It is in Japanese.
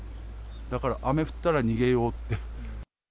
だから、雨降ったら逃げようって。